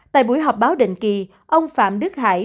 tại buổi họp báo định kỳ ông phạm đức hải